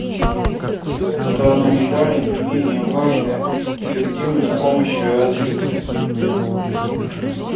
Другая сторона медали, не менее важная, — эффективность помощи и развития.